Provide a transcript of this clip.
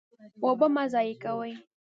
اوبه مه ضایع کوئ